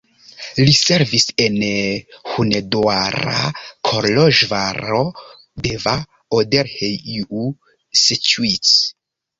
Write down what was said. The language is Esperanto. Li servis en Hunedoara, Koloĵvaro, Deva, Odorheiu Secuiesc.